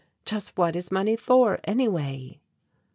Just what is money for, anyway?"